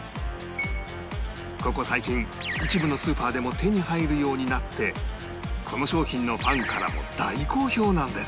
ここ最近一部のスーパーでも手に入るようになってこの商品のファンからも大好評なんです